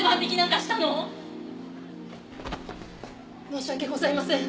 申し訳ございません。